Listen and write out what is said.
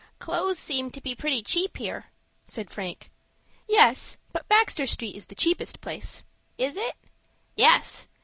"Clothes seem to be pretty cheap here," said Frank. "Yes, but Baxter Street is the cheapest place." "Is it?" "Yes.